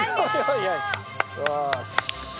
よし。